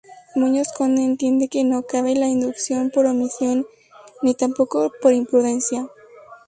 Muñoz Conde entiende que no cabe la inducción por omisión ni tampoco por imprudencia.